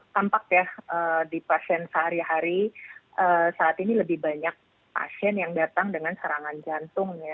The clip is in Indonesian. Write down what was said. tampak ya di pasien sehari hari saat ini lebih banyak pasien yang datang dengan serangan jantung